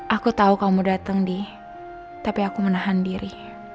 aku tau kamu dateng di tapi aku menahan diri